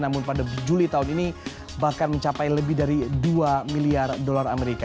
namun pada juli tahun ini bahkan mencapai lebih dari dua miliar dolar amerika